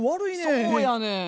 そうやねん。